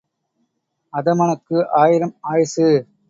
அதமனுக்கு ஆயிரம் ஆயுசு.